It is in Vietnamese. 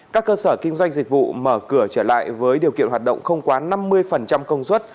các cơ sở kinh doanh dịch vụ mở cửa trở lại với điều kiện hoạt động không quá năm mươi công suất